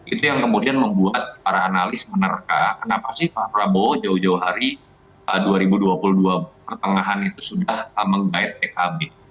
itu yang kemudian membuat para analis menerka kenapa sih pak prabowo jauh jauh hari dua ribu dua puluh dua pertengahan itu sudah menggait pkb